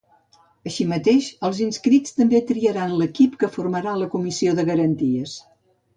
Així mateix, els inscrits també triaran l’equip que formarà la comissió de garanties.